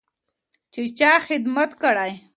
چې چا خدمت کړی.